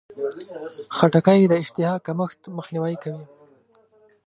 خټکی د اشتها کمښت مخنیوی کوي.